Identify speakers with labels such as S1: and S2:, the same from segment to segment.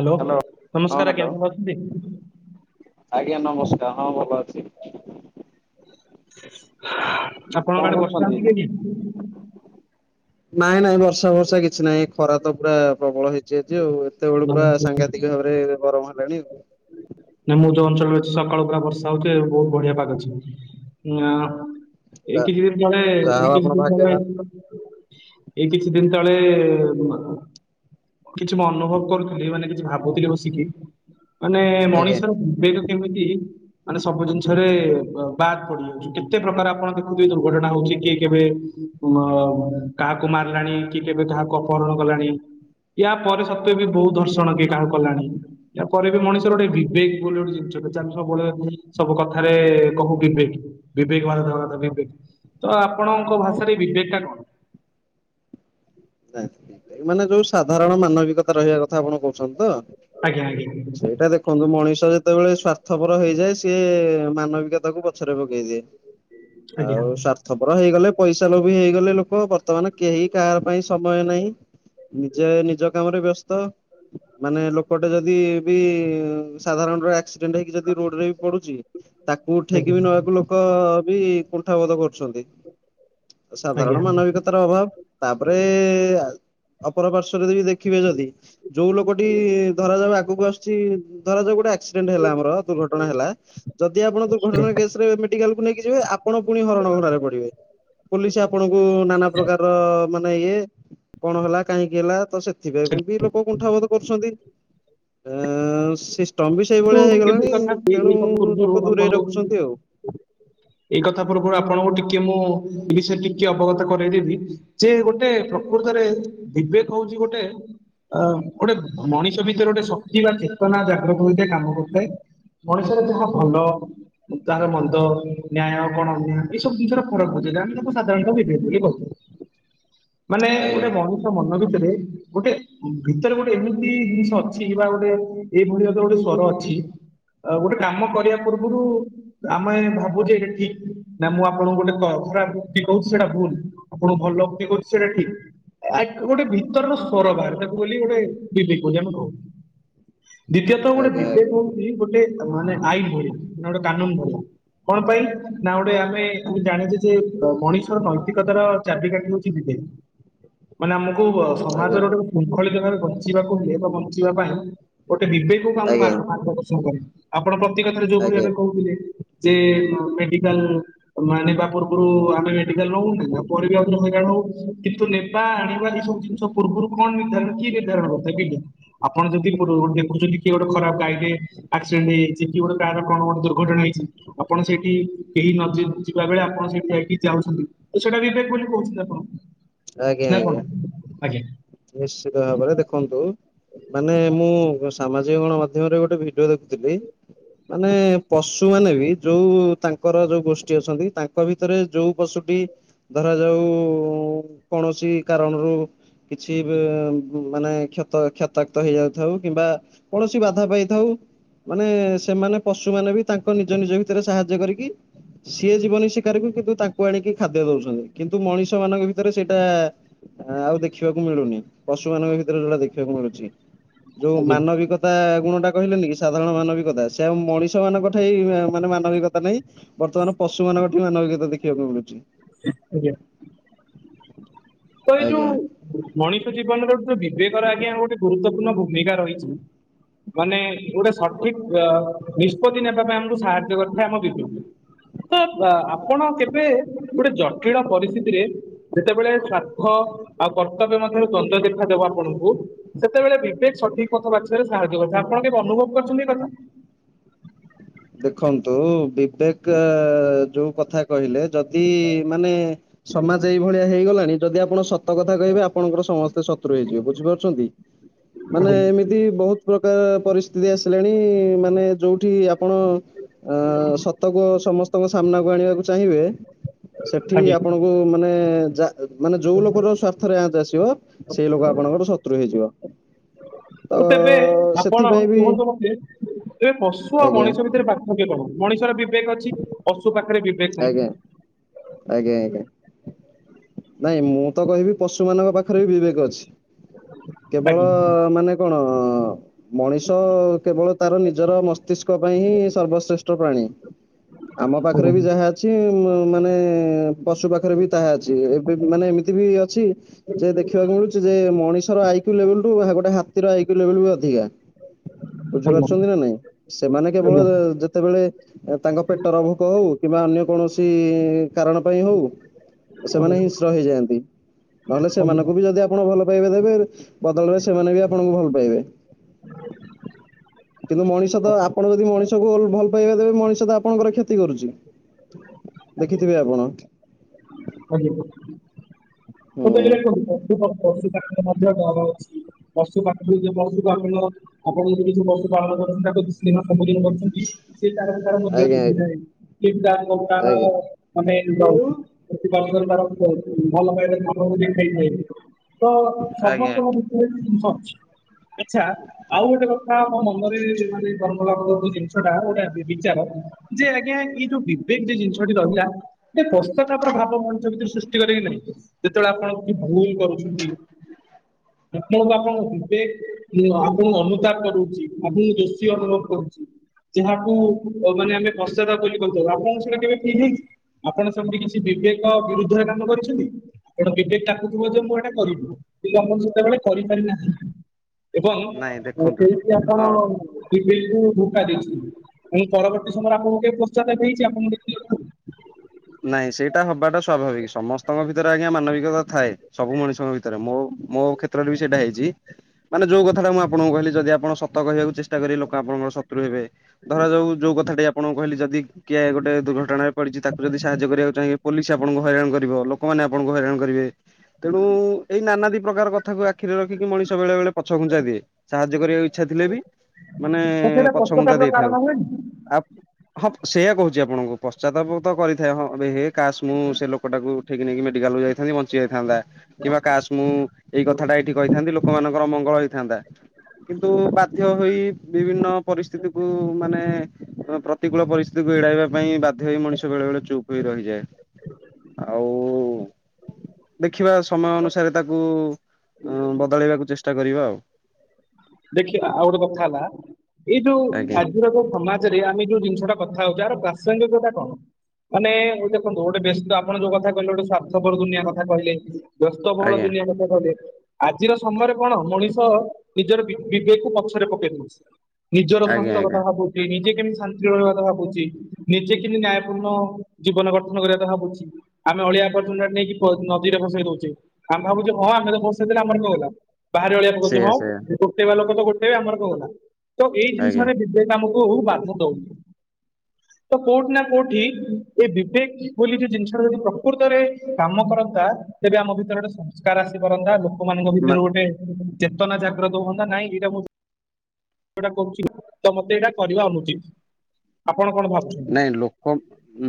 S1: Hello
S2: ହଁ
S1: ନମସ୍କାର
S2: hello
S1: ଆଜ୍ଞା ଭଲ ଅଛନ୍ତି?
S2: ଆଜ୍ଞା ନମସ୍କାର ହଁ ଭଲ ଅଛି।
S1: [unintelligible]
S2: କଣ
S1: ବର୍ଷା
S2: କରୁଛନ୍ତି
S1: ହଉଛି କି ଆଜ୍ଞା?
S2: ନାଇଁ ନାଇଁ ବର୍ଷା ବର୍ଷା କିଛି ନାଇଁ ଖରା ତ ପୁରା ପ୍ରବଳ ହେଇଛି ଆଜି ଆଉ ଏତେବେଳୁ ପୁରା
S1: ନମସ୍କାର।
S2: ସାଂଘାତିକ ଭାବରେ ଗରମ ହେଲାଣି ଆଉ
S1: ନ ମୁଁ ଯୋଉ ଅଞ୍ଚଳରେ ଅଛି ସକାଳୁ ପୁରା ବର୍ଷା ହଉଛି ବହୁତ ବଢିଆ ପାାଗ ଅଛି। ନାଁ। ଏଇ କିଛି ଦିନ ତଳେ
S2: ଯାହା
S1: ଏଇ
S2: ହଉ ଆପଣ
S1: କିଛି ଦ ତଳେ
S2: ଭାଗ୍ୟବାନ
S1: ଏଇ କିଛି ଦିନ ତଳେ କିଛି ମୁଁ ଅନୁଭବ କରୁଥିଲି ମାନେ କିଛି ଭାବୁଥିଲି ବସିକି ମାନେ
S2: ଆଜ୍ଞା।
S1: ମଣିଷର ବିବେକ କେମିତି ମାନେ ସବୁ ଜିନିଷରେ ବାଦ୍ ପଡିଯାଉଛି କେତେ ପ୍ରକାର ଆପଣ ଦେଖୁଥିବେ ଦୁର୍ଘଟଣା ହଉଛି କି କେବେ କାହାକୁ ମାରିଲାଣି କି କେବେ କାହାକୁ ଅପହରଣ କଲାଣି ୟା ପରେ ସତ୍ୱେ ବି ବହୁତ ଧର୍ଷଣ କିଏ କାଣ କଲାଣି ୟା ପରେ ବି ମଣିଷର ଗୋଟେ ବିବେକ ବୋଲି ଗୋଟେ ଜିନିଷମେ ସବୁବେଳେ ସବୁ କଥାରେ କହୁ ବିବେକ ବିବେକ ଭାରତ ଭାରତ ବିବେକ ତ ଆପଣଙ୍କ ଭାଷାରେ ବିବେକ ଟା କଣ?
S2: ମାନେ ଯୋଉ ସାଧାରଣ ମାନବିକତା ରହିବା କଥା ଆପଣ କହୁଛନ୍ତି ତ?
S1: ଆଜ୍ଞା ଆଜ୍ଞା।
S2: ସେଇଟା ଦେଖନ୍ତୁ ମଣିଷ ଯେତେବେଳେ ସ୍ଵାର୍ଥପର ହେଇଯାଏ ସିଏ ମାନବିକତାକୁ ପଛରେ ପକେଇ ଦିଏ।
S1: ଆଜ୍ଞା
S2: ଆଉ ସ୍ଵାର୍ଥପର ହେଇଗଲେ ପଇସା ଲୋଭି ହେଇଗଲେ ଲୋକ ବର୍ତ୍ତମାନ କେହି କାହାର ପାଇଁ ସମୟ ନାହିଁ ନିଜେ ନିଜ କାମରେ ବ୍ୟସ୍ତ ମାନେ ଲୋକଟେ ଯଦି ବି ସାଧାରଣ ର ଆକ୍ସିଡେଣ୍ଟ ହେଇକି ଯଦି ରୋଡରେ ବି ପଡୁଛି ତାକୁ ଉଠେଇକି ବି
S1: ଆଜ୍ଞା
S2: ନବାକୁ ଲୋକ ବି କୁଣ୍ଠାବୋଧ କରୁଛନ୍ତି। ଆଉ
S1: ଆଜ୍ଞା
S2: ସାଧାରଣ ମାନବିକତାର ଅଭାବ ତାପରେ ଅପର ପାର୍ଶ୍ଵରେ ଯଦି ଦେଖିବେ ଯଦି ଯୋଉ ଲୋକଟି ଧରାଯାଉ ଆଗକୁ ଆସୁଛି ଧରାଯାଉ ଗୋଟେ ଆସି ଦୁର୍ଘଟଣା ହେଲା ଯଦି ଆପଣ ଦୁର୍ଘଟଣା କେସ ରେମେଡିକାଲକୁ ନେଇକି ଯିବେ ଆପଣ ପୁଣି ହରଣ ଘରାରେ ପଡିବେ ପୋଲିସ ଆପଣଙ୍କୁ ନାନା ପ୍ରକାରର ମାନେ ଇଏ କଣ ହେଲା କାହିଁକି ହେଲା ତ ସେଥିପାଇଁ
S1: କିନ୍ତୁ
S2: ବି ଲୋକ କୁଣ୍ଠାବୋଧ କରୁଛନ୍ତି। ସିଷ୍ଟମ୍ବ ସେଇଭଳିଆ
S1: କିନ୍ତୁ ଏ
S2: ହେଇଗଲାଣି
S1: କଥା ଏଇ
S2: ତେଣୁ
S1: ଏଇ କଥା ପୂର୍ବରୁ
S2: ଲୋକ ଦୂରେଇ
S1: ଆପଣଙ୍କୁ
S2: ରଖୁଛନ୍ତି ଆଉ [unintelligible]
S1: ଏଇ କଥା ପୂଖରୁ ଆପଣଙ୍କୁ ଟିକେ ମୁଁ ଏ ବିଷୟରେ ଟିକେ ଅବଗତ କରାଇଦେବି ସେ ଗୋଟେ ପ୍ରକୃତରେ ବିବେକ ହଉଛି ଗୋଟେ ଅ ଗୋଟେ ମଣିଷ ଭିତରେ ଗୋଟେ ଶକ୍ତି ବା ଚେତନା ଜାଗ୍ରତ ହୋଇଥାଏ କାମ କରିଥାଏ ମଣିଷରେ ଯାହା ଭଲ ତାର ମନ୍ଦ ନ୍ୟାୟ କଣନ୍ୟାୟ ଏଇ ସବୁ ଜିନିଷର ଫରକ ବୁଝେଇଲେ ଆମେ ତାକୁ ସାଧାରଣତଃ ବିିବେଦ ବୋଲି କହୁଛ ? ମାନେ ଗୋଟେ ମଣିଷ ମଣିଷ ମନ ଭିତରେ ଗୋଟେ ଭିତରେ ଗୋଟେ ଏମିତି ଜିନିଷ ଅଛି ବା ଗୋଟେ ଏଇଭଳି ଭାବେ ଗୋଟେ ସ୍ଵର ଅଛି ଗୋଟେ କାମ କରିବା ପୂର୍ବରୁ ଆମେ ଭାବୁଜେ ଏଇଟା ଠିକ୍ ନା ମୁଁ ଆପଣଙ୍କୁ ଗୋଟେ ଖରାପ ଉକ୍ତି କହୁଛି ସେଇଟା ଭୁଲ୍। ଆପଣଙ୍କୁ ଭଲ ଉକ୍ତି କହୁଛି ସେଇଟା ଠିକ୍। ଗୋଟେ ଭିତରର ସ୍ୱର ବାହାରେ ତାକୁ ବୋଲି ଗୋଟେ ବିବେକ ବୋଲି ଆମେ କହୁ। ଦ୍ବିତୀୟତଃ ଗୋଟେ
S2: ଆଜ୍ଞା
S1: ବିିବେକ
S2: ଆଜ୍ଞା
S1: ହୋଉଛି ଗୋଟେ ମାନେ ଆଇନ୍ ଭଳିଆ ଗୋଟେ କାନୁନ୍ କହୁ। କଣ ପାଇଁ ନା ଗୋଟେ ଆମେ ଆମେ ଜାଣିଛେ ଯେ ମଣିଷର ନୈତିକତା ର ଚାବିକାଠି ହୋଉଚି [unintelligible] ମାନେ ଆମକୁ
S2: ଆଜ୍ଞା
S1: ସମାଜର ଗୋଟେ ଶୃଙ୍ଖଳିତ ଭାବେ ବଞ୍ଚିବାକୁ ହୁଏ ବା ବଞ୍ଚିବା ପାଇଁ ଗୋଟେ ବିବେକ ବିବେକ ଆମ
S2: ଆଜ୍ଞା
S1: କୁ ଆଗ ପଛ କରେ। ଆପଣ ପ୍ରତି କଥାରେ ଯୋଉ ଭଳି
S2: ଆଜ୍ଞା
S1: ଭାବେ କହୁଥିଲେ ଯେ ମେଡିକାଲ ତମେ ଆଣିବା ପୂର୍ବରୁ ଆମେ ମେଡିକାଲ ନୋଉ ତା ପରେ ବି ଆଉଥରେ ହଇରାଣ ହୋଉ କିନ୍ତୁ ନେବା ଆଣିବା ଏ ସବୁ ଜିନିଷ ପୂର୍ବରୁ କଣ ନିର୍ଧାରଣ କିଏ ନିର୍ଦ୍ଧାରଣ କରିଥାଏ ବିବେକ ଆପଣ ଯଦି ପୂର୍ବରୁ ଦେଖୁଛନ୍ତି କିଏ ଗୋଟେ ଖରାପ ଗାଇ ଟେ ଆକ୍ସିଡେଣ୍ଟେ ହେଇଯାଇଛି କି ଗୋଟେ କାହାର କଣ ଗୋଟ ଦୁର୍ଘଟଣା ହେଇଛି। ଆପଣ ସେଇଠି କେହି ନ ଯିବା ବେଳେ ଆପଣ ସେଇଠି ଯାଇକି ଯାଉଛନ୍ତି ତ ସେଇଟା ବିବେକ ବୋଲି କହୁଛନ୍ତି ଆପଣ।
S2: ଆଜ୍ଞା
S1: ନା
S2: ଆଜ୍ଞା।
S1: କଣ ଆଜ୍ଞା।
S2: ନିଶ୍ଚିତ ଭାବରେ ଦେଖନ୍ତୁ ମାନେ ମୁଁ ସାମାଜିକ ଗଣ ମାଧ୍ୟମରେ ଗୋଟେ ଭିଡିଓ ଦେଖୁଥିଲି। ମାନେ ପଶୁ ମାନେ ବି ଯୋଉ ତାଙ୍କର ଯୋଉ ଗୋଷ୍ଠୀ ଅଛନ୍ତି ତାଙ୍କ ଭି ଭିତରେ ଯୋଉ ପଶୁଟି ଧରାଯାଉ କୌଣସି କାରଣରୁ କିଛି ମାନେ କ୍ଷତ କ୍ଷତାକ୍ତ ହେଇଯାଉଥାଉ କିମ୍ବା କୌଣସି ବାଧା ପାଇଥାଉ ମାନେ ସେମାନେ ପଶୁ ମାନେ ବି ତାଙ୍କ ନିଜ ନିଜ ଭିତରେ ସାହାଯ୍ୟ କରିକି ସିଏ ଜୀବନୀ ଶିକାରକୁ କିନ୍ତୁ ତାଙ୍କୁ ଆଣିକି ଖାଦ୍ୟ ଦୋଉଛନ୍ତି କିନ୍ତୁ ମଣିଷ ମାନଙ୍କ ଭିତରେ ସେ ସେଟା ଆଉ ଦେଖିବାକୁ ମିଳୁନି ପଶୁ ମାନଙ୍କ ଭିତରେ ଯୋଉଟା ଦେଖିବାକୁ ମିଳୁଚି। ଯୋଉ
S1: ଆଜ୍ଞା
S2: ମାନବିକତା ଗୁଣ ଟା କହିଲେନି କି ସାଧାରଣ ମାନବିକତା ସେ ମଣିଷ ମାନଙ୍କ ଠେଇ ମାନେ ମାନବିକତା ନାହିଁ। ବର୍ତ୍ତମାନ ପଶୁମାନଙ୍କ ଠି ମାନବିକତା ଦେଖିବାକୁ ମିଳୁଛି।
S1: ଆଜ୍ଞା। ତ ଏଇ
S2: ଆଜ୍ଞା।
S1: ଯୋଉ ମଣିଷ ଜୀବନରେ ଯୋଉ ବିବେକର ଆଜ୍ଞା ଗୋଟେ ଗୁରୁତ୍ୱପୂର୍ଣ୍ଣ ଭୂମିକା ରହିଛି। ମାନେ ଗୋଟେ ସଠିକ୍ ନିଷ୍ପତ୍ତି ନେବା ପାଇଁ ଆମକୁ ସାହାଯ୍ୟ କରିଥାଏ ଆମ ବିବେକକୁ। ତ ଆପଣ କେବେ ଗୋଟେ ଜଟିଳ ପରିସ୍ଥିତିରେ ଯେତେବେଳେ ଦୁଃଖ ଆଉ କର୍ତ୍ତବ୍ୟ ମଧ୍ୟରେ ଦ୍ୱନ୍ଦ ଦେଖାଦବ ଆପଣଙ୍କୁ ସେତେବେଳେ ବିବେକ ସଠିକ କଥା ବାଛିବାରେ ସାହାଯ୍ୟ କରିଥାଏ। ଆପଣ କେବେ ଅନୁଭବ କରୁଛନ୍ତି ଏକଥା।
S2: ଦେଖନ୍ତୁ ବିବେକ ଯୋଉ କଥା କହିଲେ ଯଦି ମାନେ ସମାଜ ଏଇଭଳିଆ ହେଇଗଲାଣି ଯଦି ଆପଣ ସତ ସତ କଥା କହିବେ ଆପଣଙ୍କର ସମସ୍ତେ ଶତ୍ରୁ ହେଇଯିବେ ବୁଝିପାରୁଚନ୍ତି ମାନେ
S1: ଆଜ୍ଞା
S2: ଏମିତି ଏମିତି ବହୁତ ପ୍ରକାର ପରିସ୍ଥିତି ଆସିଲାଣି ମାନେ ଯୋଉଠି ଆପଣ ଅ ସତ କୁ ସମସ୍ତଙ୍କ ସାମ୍ନାକୁ ଆଣିବାକୁ ଚାହିଁବେ ସେଠି
S1: ଆଜ୍ଞା।
S2: ଆପଣ କୁ ମାନେ ଯା ମାନେ ଯୋଉ ଲୋକର ସ୍ଵାର୍ଥରେ ଆଁଚ ଆସିବ ସେଇ ଲୋକ ଆପଣଙ୍କର ଶତ୍ରୁ ହେଇଯିବ। ତ ସେଥିପାଇଁ ବି
S1: ଏବେ ପଶୁ ଆଉ
S2: ଆଜ୍ଞା
S1: ମଣିଷ ଭିତରେ ପାର୍ଥକ୍ୟ କଣ ମଣିଷର ବିବେକ ଅଛି ପଶୁ ପାଖରେ ବି
S2: ଆଜ୍ଞା ଆଜ୍ଞା ଆଜ୍ଞା। ନାଇଁ ମୁଁ ତ କହିବି ପଶୁ ମାନଙ୍କ ପାଖରେ ବି ବିବେକ ଅଛି କେବଳ
S1: ଆଜ୍ଞା
S2: ମାନେ କଣ? ମଣିଷ କେବଳ ତାର ନିଜର ମସ୍ତିଷ୍କ ପାଇଁ ହିଁ ସର୍ବଶ୍ରେଷ୍ଠ ପ୍ରାଣୀ। ଆମ ପାଖରେ
S1: ଆଜ୍ଞା
S2: ବି ଯାହା ଅଛି ମାନେ ପଶୁ ପାଖରେ ବି ତାହା ଅଛି। ଏବେ ମାନେ ଏମିତି ବି ଅଛି। ଯେ ଦେଖିବାକୁ ମିଳୁଛି ଯେ ମଣିଷର ଆଇ କ୍ୟୁ ଲେଭେଲ୍ ଠୁ ଗୋଟେ ହାତୀର ଆଇ କ୍ୟୁ ଲେଭେଲ୍ ବି ଅଧିକା। ବୁଝିପାରୁଛନ୍ତି ନା
S1: ଆଜ୍ଞା
S2: ନାଇଁ ସେମାନେ କେବଳ ଯେତେବେଳେ ତାଙ୍କ ପେଟର ଭୋକ ହଉ କିମ୍ବା ଅନ୍ୟ କୌଣସି କାରଣ ପାଇଁ ହଉ ସେମାନେ
S1: ଆଜ୍ଞା
S2: ହିଂସ୍ର ହେଇଯାଆନ୍ତି ନହେଲେ ସେମାନଙ୍କୁ ବି ଯଦି ଆପଣ ଭଲ ପାଇବା ଦେବେ ବଦଳରେ ସେମାନେ ବି ଆପଣଙ୍କୁ ଭଲ ପାଇବେ। କିନ୍ତୁ ମଣିଷ ତ ଆପଣ ଯଦି ମଣିଷକୁ ଭଲ ପାଇବା ଦେବେ ମଣିଷ ତ ଆପଣଙ୍କର କ୍ଷ ତି କରୁଛି ଦେଖିଥିବେ ଆପଣ?
S1: [unintelligible] ପଶୁ ପାଖକୁ।
S2: ହୁଁ
S1: [unintelligible] ଆପଣ ଯଦି କିଛି ପଶୁ ପାଳନ କରୁଛନ୍ତି ତାକୁ ସ୍ନେହ ସବୁଦିନ କରୁଛନ୍ତି। ସେ ତାର ବି ତାର ମୂଲ୍ୟ
S2: ଆଜ୍ଞା ଆଜ୍ଞା
S1: ବୁଝୁନାହିଁ।
S2: ଆଜ୍ଞା
S1: [unintelligible] [unintelligible] ଦେଖାଇ ଥିଲେ ତ
S2: ଆଜ୍ଞା
S1: ସମସ୍ତଙ୍କ ଭି [unintelligible] ଆଛା। ଆଉ ଗୋଟେ କଥା ମୋ ମନରେ ମାନେ କର୍ମଲାଭ ଯୋଉ ଜିନିଷଟା ଗୋଟେ ବିଚାର ଯେ ଆଜ୍ଞା ଏଇ ଯୋଉ ବିବେକ ଯୋ ଜିନିଷଟି ରହିଲା ଏଟା କ [unintelligible] ଭାବ ମଣିଷ ଭିତରେ ସୃଷ୍ଟି କରେକି ନାହିଁ ଯେତେବେଳେ ଆପଣ କିଛି ଭୁଲ କରୁଛନ୍ତି।
S2: [inaudible]
S1: ଆପଣଙ୍କୁ ଆପଣଙ୍କ ବିବେକ ଆପଣଙ୍କୁ ଅନୁତାପ କରୁଚି ଆପଣଙ୍କୁ ଦୋଷୀ ଅନୁଭବ କରୁଚି। ଯାହାକୁ ମାନେ ଆମେ ପଶ୍ଚାତାପ ବୋଲି କହିଥାଉ ଆପଣଙ୍କୁ ସେଇଟା କେବେ ଫିଲ୍ ହେଇଛି ଆପଣ କିଛି ବିବେକ ବିରୁଦ୍ଧରେ କାମ କରିଛନ୍ତି ଆପଣ ବିବେକ ଡାକୁଥିବ ଯେ ମୁଁ ଏଇଟା କରିବୁ କିନ୍ତୁ ଆପଣ ସେତେବେଳେ କରିପାରିନାହାନ୍ତି ଏବଂ
S2: ନାଇଁ ଦେଖନ୍ତୁ
S1: କେମିତି ଆପଣ
S2: ହଁ
S1: ବିବେକକୁ ଧୋକା ଦେଇଛନ୍ତି ଏବଂ ପରବର୍ତ୍ତୀ ସମୟରେ ଆପଣଙ୍କୁ କେବେ ପଶ୍ଚାତାପ ହେଇଛି ଆପଣଙ୍କୁ
S2: ନାଇଁ ସେଇଟା ହବାଟା ସ୍ୱାଭାବିକ ସମସ୍ତଙ୍କ ଭିତରେ ଆଜ୍ଞା ମାନବିକତା ଥାଏ ସବୁ ମଣିଷଙ୍କ ଭିତରେ ମୋ ମୋ ଖେ ତ୍ରରେ ବି ସେଇଟା ହେଇଚି। ମାନେ ଯୋଉ କଥାଟା ମୁଁ ଆପଣଙ୍କୁ କହିଲି ଯଦି ଆପଣ ସତ କହିବାକୁ ଚେଷ୍ଟା କରିବେ ଲୋକ ଆପଣଙ୍କର ଶତ୍ରୁ ହେବେ। ଧରାଯାଉ ଯୋଉ କଥାଟି ଆପଣଙ୍କୁ କହିଲି ଯଦି କିଏ ଗୋଟେ ଦୁର୍ଘଟଣାରେ ପଡିଛି ତାକୁ ଯଦି ସାହାଯ୍ୟ କରିବାକୁ ଚାହିଁ ପୋଲିସ ଆପଣଙ୍କୁ ହଇରାଣ କରିବ ଲୋକମାନେ ଆପଣଙ୍କୁ ହଇରାଣ କରିବେ। ତେଣୁ ଏଇ ନାନାଦି ପ୍ରକାର କଥାକୁ ଆଖିରେ ରଖିକି ମଣିଷ ବେଳେ ବେଳେ ପଛଘୁଞ୍ଚା ଦିଏ। ସାହାଯ୍ୟ କରିବାକୁ ଇଚ୍ଛା ଥିଲେ ବି ମାନେ
S1: ତ ସେଇଟା
S2: ପଛଘୁଞ୍ଚା
S1: ପଶ୍ଚାତାପର
S2: ଦେଇଥାଉ।
S1: କାରଣ ହୁଏନି?
S2: ଆ ହଁ ସେଇଆ କହୁଛି ଆପଣଙ୍କୁ ପଶ୍ଚାତାପ ତ କରିଥାଏ ହଁ ଏବେ ହେ କାସ୍ ମୁଁ ସେ ଲୋକଟାକୁ ଉଠେଇକି ନେଇକି ମେଡିକାଲକୁ ଯାଇଥାନ୍ତି ବଞ୍ଚି ଯାଇଥାନ୍ତା କିମ୍ବା କାସ୍ ମୁଁ ଏଇ କଥାଟା ଏଇଠି କହିଥାନ୍ତି ଲୋକମାନଙ୍କର ମଙ୍ଗଳ ହେଇଥାନ୍ତା। କିନ୍ତୁ ବାଧ୍ୟ ହୋଇ ବିଭିନ୍ନ ପରିସ୍ଥିତିକୁ ମାନେ ପ୍ରତିକୂଳ ପରିସ୍ଥିତିକୁ ଏଡାଇବା ପାଇଁ ବାଧ୍ୟ ହୋଇ ମଣିଷ ବେଳେ ବେଳେ ଚୁପ୍ ହୋଇ ରହିଯାଏ। ଆଉ ଦେଖିବା ସମୟ ଅନୁସାରେ ତାକୁ ବଦଳେଇବାକୁ ଚେଷ୍ଟା କରିବା ଆଉ।
S1: ଦେଖିବା ଆଉ ଗୋଟେ କଥା ହେଲା ଏଇ ଯଉ
S2: ଆଜ୍ଞା
S1: ଆ ଆଜିର କୋଉ ଭମାଚରିଆ ଆମେ ଯୋଉ ଜିନିଷଟା କଥା ହଉଛେ ଆର ପ୍ରାସଙ୍ଗ୍ୟତା କଣ? ମାନେ ଦେଖନ୍ତୁ ଗୋଟେ ବ୍ୟସ୍ତ ଆପଣ ଯୋଉ କଥା କହିଲେ ଗୋଟେ ସ୍ଵାର୍ଥପର ଦୁନିଆ କଥା କହିଲେ। ବ୍ୟସ୍ତବହୁଳ
S2: ଆଜ୍ଞା
S1: ଦୁନିଆ କଥା କହିଲେ ଆଜିର ସମୟରେ କଣ ମଣିଷ ନିଜର ବିବେକକୁ ପଛରେ ପକେଇ ଦଉଛି ନିଜର
S2: ଆଜ୍ଞା
S1: ସ୍ୱାସ୍ଥ୍ୟ
S2: ଆଜ୍ଞା
S1: କଥା ଭାବୁ ନିଜେ କେମିତି ଶାନ୍ତିରେ ରହିବା କଥା ଭାବୁଛି। ନିଜେ କେମିତି ନ୍ୟାୟପୂର୍ଣ୍ଣ ଜୀବନ ଗଠନ କରିବା କଥା ଭାବୁଛି। ଆମେ ଅଳିଆ ଆବର୍ଜନା ନେଇକି ନଦୀରେ ଭସେଇ ଦଉଛେ। ଆମେ ଭାବୁଛୁ ହଁ ଆମେ ତ ଭସେଇଦେଲେ ଆମର କଣ ଗଲା। ବାହାରି ଅଳିଆ ପକଉଛେ
S2: ସେଇଆ ସେଇଆ
S1: ହଁ ଗୋଟେଇବା ଲୋକତ ଗୋଟେଇବେ ଆମର କଣ ଗଲା ତ ଏଇ
S2: ଆଜ୍ଞା
S1: ଜିନିଷରେ ବିବେକ ଆମକୁ ବାଧା ଦଉନି।
S2: ହ
S1: ତ କୋଉଠି ନା କୋଉଠି ଏ ବିବେକ ବୋଲି ଯୋଉ ଜିନିଷା ଯଦି ପ୍ରକୃତରେ କାମ କରନ୍ତା ତେବେ ଆମ ଭିତରେ ଗୋଟେ ସଂସ୍କାର ଆସି ପାରନ୍ତା ଲୋକମାନଙ୍କ
S2: ମା
S1: ଭିତରୁ ଗୋଟେ ଚେତନା ଜାଗ୍ରତ ହୁଅନ୍ତା। ନାଇଁ ଏଇା ମୁଁ ଟା କରୁଛି ତ ମତେ ଏଇଟା କରିବା ଅନୁଚିତ ଆପଣ କଣ ଭାବୁଛନ୍ତି।
S2: ନାଇଁ ଲୋକ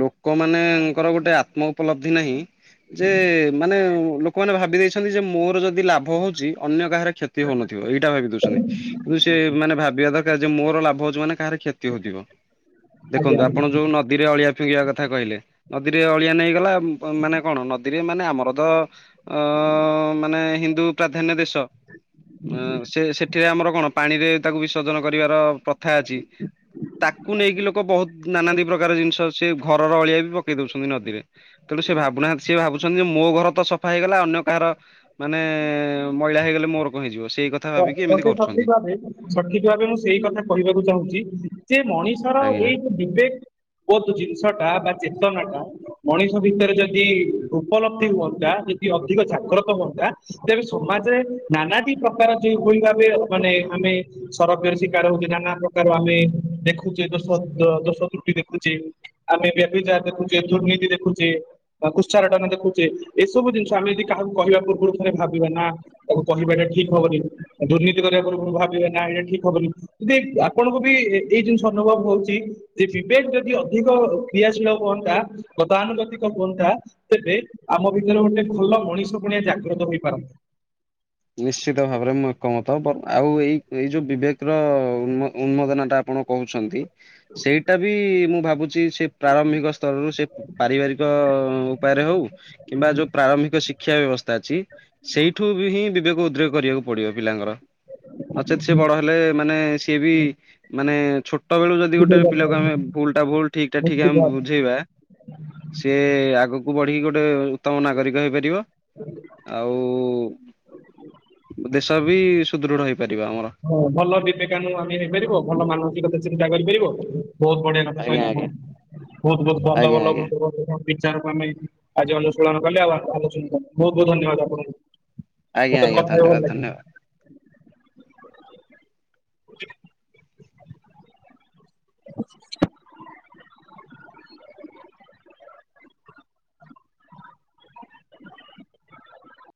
S2: ଲୋକ ମାନଙ୍କର ଗୋଟେ ଆତ୍ମ ଉପଲବ୍ଧି ନାହିଁ। ଯେ ମାନେ ଲୋକମାନେ ଭାବି ଦେଇଛନ୍ତି ଯେ ମୋର ଯଦି ଲାଭ ହଉଛି ଅନ୍ୟ କାହାର କ୍ଷତି ହଉନଥିବ ଏଇଟା ଭାବି ଦଉଛନ୍ତି। କିନ୍ତୁ ସେ ମାନେ ଭାବିବା ଦରକାର ଯେ ମୋର ଲାଭ ହଉଛି ମାନେ କାହାର କ୍ଷତି ହଉଥିବ। ଦେଖନ୍ତୁ
S1: ଆଜ୍ଞା
S2: ଆପଣ ଯୋଉ ନଦୀରେ ଅଳିଆ ଫିଙ୍ଗିବା କଥା କହିଲେ। ନଦୀରେ ଅଳିଆ ନେଇଗଲା ମାନେ କଣ ନଦୀରେ ମାନେ ଆମର ତ ଅ ମାନେ ହିନ୍ଦୁ ପ୍ରାଧାନ୍ୟ ଦେଶ ସେ ଏଠରେ ଆମର କଣ ପାଣିରେ ତାକୁ ବିସର୍ଜନ କରିବାର ପ୍ରଥା ଅଛି ତାକୁ ନେଇକି ଲ ବହୁତ ନାନା ଦି ପ୍ରକାର ଜିନିଷ ସେ ଘରର ଅଳିଆ ବି ପକେଇ ଦଉଛନ୍ତି ନଦୀରେ। ତେଣୁ ସେ ଭାବୁନାହାନ୍ତି ସି ଭାବୁଛନ୍ତି ଯେ ମୋ ଘର ତ ସଫା ହେଇଗଲା ଅନ୍ୟ କାହାର ମାନେ ମଇଳା ହେଇଗଲେ ମୋର କଣ ହେଇଯିବ ସେଇ କଥା ଭାବିକି ଏମିତି
S1: ସତେ ସଠିକ
S2: କରୁଛନ୍ତି।
S1: ଭାବେ ସଠିକ ଭାବେ ମୁଁ ସେଇ କଥା କହିବାକୁ ଚାହୁଁଛି ଯେ ମଣିଷର
S2: ଆଜ୍ଞା
S1: ଏଇ ଯୋ ବିବେକ ଓ ଜିନିଷ ଟା ବା ଚେତନା ଟା ମଣିଷ ଭିତରେ ଯଦି ଉପଲବ୍ଧି ହୁଅନ୍ତା ଯଦି ଅଧିକ ଜାଗ୍ରତ ହୁଅନ୍ତା ତେବେ ସମାଜରେ ନାନା ବି ପ୍ରକାର ଯଁ ଭଳି ଭାବେ ମାନେ ଆମେ ସରବ୍ୟର ଶିକାର ହଉଛିେ ନାନା ପ୍ରକାର ଆମେ ଦେଖୁଛେ ଦୋଷ ଦୋଷ ତ୍ରୁଟି ଦେଖୁଛେ। ଆମେ ବପି ଯା ଦେଖୁଛେ ଦୁର୍ନୀତି ଦେଖୁଛେ। କୁଚାଟନ ଦେଖୁଛେ ଏସବୁ ଜିନିଷ ଆମେ ଯଦି କାହାକୁ କହିବା ପୂର୍ବରୁ ଥରେ ଭାବିବା ନା ଆଉ କହିବାଟ ଠିକ ହବନି। ଦୁର୍ନୀତି କରିବା ପ ଭାବିବେ ନା ଏଇଟା ଠିକ ହବନି ଯଦି ଆପଣଙ୍କୁ ବି ଏଇ ଜିନିଷ ଅନୁଭବ ହଉଛି। ଯେ ବିବେକ ଯଦି ଅଧିକ କ୍ରିୟାଶୀଳ ହୁଅନ୍ତା। ଗତାନୁଗତିକ ହୁହନ୍ତା ତେବେ ଆମ ଭିତରେ ଗୋଟେ ଭଲ ମଣିଷ ପୁଣିଆ ଜାଗ୍ରତ ହେଇପାରନ୍ତା
S2: ନିଶ୍ଚିତ ଭାବରେ ମୁଁ ଏକମତ ଆଉ ଏଇ ଏଇ ଯୋଉ ବିବେକର ଉନ୍ମୋଦନା ଟା ଆପଣ କହୁଛନ୍ତି। ସେଇଟା ବି ମୁଁ ଭାବୁଛି ସେ ପ୍ରାରମ୍ଭିକ ସ୍ତରରୁ ସେ ପାରିବାରିକ ଉପାୟରେ ହଉ କିମ୍ବା ଯୋଉ ପ୍ରାରମ୍ଭିକ ଶିକ୍ଷା ବ୍ୟବସ୍ଥା ଅଛି ସେଇଠୁ ବି ହିଁ ବେକୁ ଉଦ୍ରେକ କରିବାକୁ ପଡିବ ପିଲାଙ୍କର ନଚେତ ସେି ବଡ ହେଲେ ମାନେ ସିଏ ବି ମାନେ ଛୋଟ ବେଳୁ ଯଦି ଗୋଟେ ପିଲାକୁ ଆମେ
S1: ନିଶ୍ଚିତ
S2: ଭୁଲ ଟା ଭୁଲ ଠିକ ଟା ଠିକ ଆମେ
S1: ଭାବେ
S2: ବୁଝେଇବା। ସି ଆଗକୁ ବଢ଼ିକି ଗୋଟେ ଉତ୍ତମ ନାଗରିକ ହେଇପାରିବ ଆଉ ଦେଶ ବି ସୁଦୃଢ ହେଇପାରିବ ଆମର।
S1: ହଁ ଭଲ ବିବେକାନୁ ଆମେ ହେଇପାରିବ ଭଲ ମାନସିକତା ଚିନ୍ତା କରିପାରିବ ବହୁତ ବଢିଆ। ଆଗେ
S2: ଆଜ୍ଞା
S1: କହିଲା [unintelligible]
S2: ଆଜ୍ଞା
S1: ବହୁତ ବହୁତ ଧନ୍ୟ
S2: ଆଜ୍ଞା
S1: ଭଲ
S2: ଆଜ୍ଞା
S1: [unintelligible] ବିଚାରକୁ ଆମେ ଏଇଠି ଆଜି ଅନୁଶୀଳନ କଲେ ଆଉ ଆଲୋଚନା କଲେ ବହୁତ ବହୁତ ଧନ୍ୟବାଦ ଆପଣଙ୍କୁ।
S2: ଆଜ୍ଞା
S1: ହୋଟେଲ [unintelligible]
S2: ଆଜ୍ଞା
S1: ଖାଇବାକୁ
S2: ଧନ୍ୟବାଦ
S1: ଭଲ
S2: ଧନ୍ୟବାଦ।
S1: ଲାଗେନି।